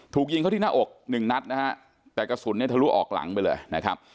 ถูกยิงเขาที่หน้าอก๑นัดแต่กระสุนทะลุออกหลังไปเลย